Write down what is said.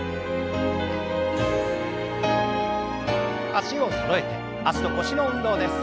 脚をそろえて脚と腰の運動です。